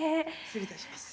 失礼いたします。